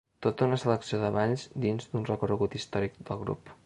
Tota una selecció de balls dins d’un recorregut històric del grup.